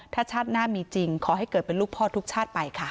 ถ้าชาติหน้ามีจริงขอให้เกิดเป็นลูกพ่อทุกชาติไปค่ะ